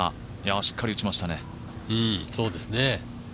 しっかり打ちましたね。